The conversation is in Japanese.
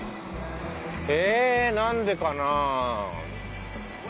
えなんでかな？